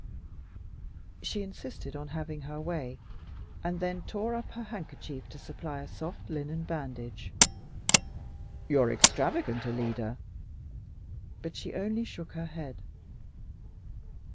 She insisted on having her way, and then tore up her handkerchief to supply a soft linen bandage. "You're extravagant, Alida," but she only shook her head.